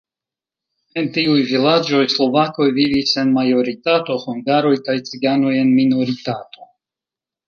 En tiuj vilaĝoj slovakoj vivis en majoritato, hungaroj kaj ciganoj en minoritato.